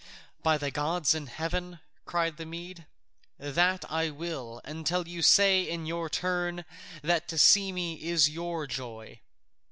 "By the gods in heaven," cried the Mede, "that I will, until you say in your turn that to see me is your joy."